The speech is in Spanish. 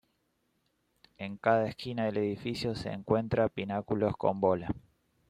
En cada esquina del edificio se encuentran pináculos con bola.